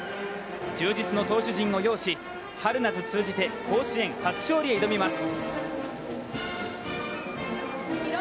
充実の投手陣を擁し、春夏通じて甲子園初勝利へ挑みます。